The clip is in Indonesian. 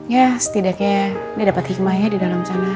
ya setidaknya dia dapat hikmah ya di dalam sana